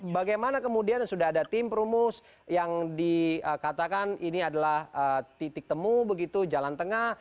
bagaimana kemudian sudah ada tim perumus yang dikatakan ini adalah titik temu begitu jalan tengah